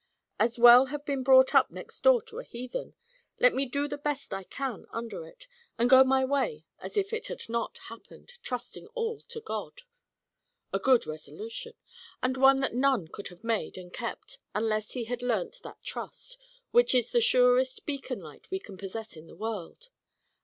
As well have been brought up next door to a heathen. Let me do the best I can under it, and go my way as if it had not happened, trusting all to God." A good resolution, and one that none could have made, and kept, unless he had learnt that trust, which is the surest beacon light we can possess in the world.